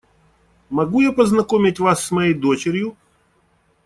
Могу я познакомить вас с моей дочерью?